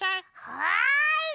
はい！